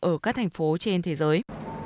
ở các thành phố trên thế giới